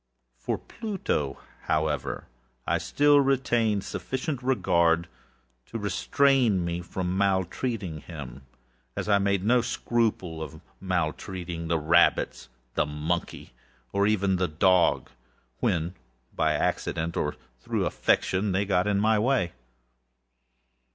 For Pluto, however, I still retained sufficient regard to restrain me from maltreating him, as I made no scruple of maltreating the rabbits, the monkey, or even the dog, when by accident, or through affection, they came in my way.